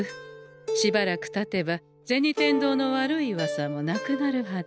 しばらくたてば銭天堂の悪いウワサもなくなるはず。